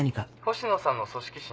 ☎星野さんの組織診。